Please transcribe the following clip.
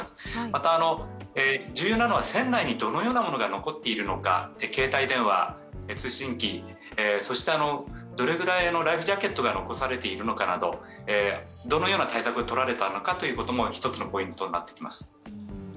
また、重要なのは船内にどのようなものが残っているのか、携帯電話、通信機、そしてどれくらいライフジャケットが残されているのかなど、どのような対策をとられたのかなども一つのポイントになります。